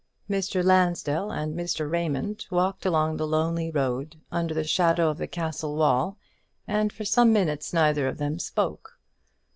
Mr. Lansdell and Mr. Raymond walked along the lonely road under the shadow of the castle wall, and for some minutes neither of them spoke.